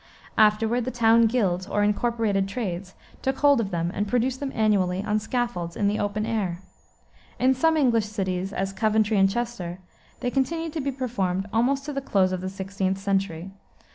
Afterward the town guilds, or incorporated trades, took hold of them and produced them annually on scaffolds in the open air. In some English cities, as Coventry and Chester, they continued to be performed almost to the close of the 16th century.